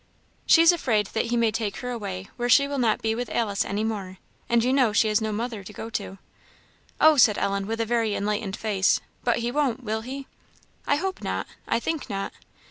"She's afraid that he may take her away where she will not be with Alice any more; and you know she has no mother to go to." "Oh!" said Ellen, with a very enlightened face; "but he won't, will he?" "I hope not; I think not."